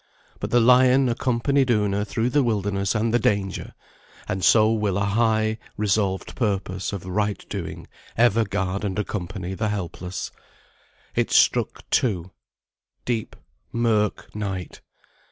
But the lion accompanied Una through the wilderness and the danger; and so will a high, resolved purpose of right doing ever guard and accompany the helpless. It struck two; deep, mirk, night.